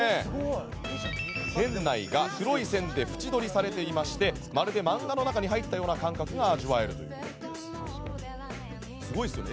店内が黒い線で縁取りされておりまるで漫画の中に入ったような感覚が味わえます。